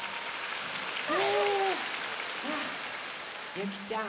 ゆきちゃん。